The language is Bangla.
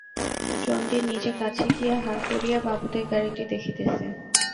চণ্ডী নিজে কাছে গিয়া হা করিয়া বাবুদের গাড়িটি দেখিতেছে।